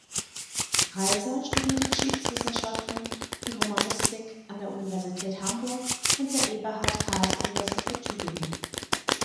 Raiser studierte Geschichtswissenschaften und Romanistik an der Universität Hamburg und der Eberhard-Karls-Universität Tübingen.